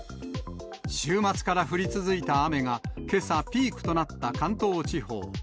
週末から降り続いた雨が、けさ、ピークとなった関東地方。